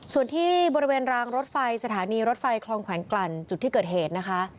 ส่วนที่บริเวณรางรถไฟสถานีรถไฟคลองแขวงกลั่นจุดที่เกิดเหตุนะคะ